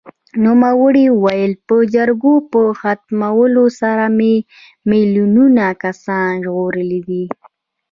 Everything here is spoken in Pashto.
نوموړي وویل، د جګړو په ختمولو سره مې میلیونونه کسان ژغورلي دي.